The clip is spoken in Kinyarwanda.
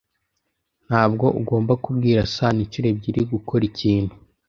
Ntabwo ugomba kubwira Sano inshuro ebyiri gukora ikintu.